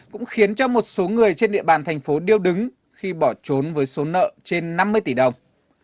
cũng khiến cho một số người trên địa bàn thành phố điêu đứng khi bỏ trốn với số nợ trên năm mươi tỷ đồng